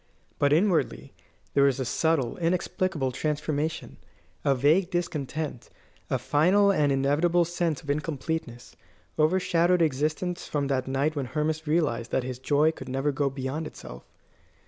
But inwardly there was a subtle, inexplicable transformation. A vague discontent, a final and inevitable sense of incompleteness, overshadowed existence from that night when Hermas realised that his joy could never go beyond itself.